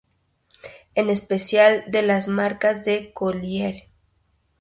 En especial de la comarca de Colliure.